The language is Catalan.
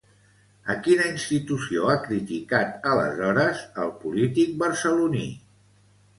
A quina institució ha criticat aleshores el polític barceloní?